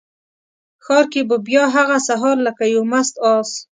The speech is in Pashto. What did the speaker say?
ښار کې به بیا هغه سهار لکه یو مست آس،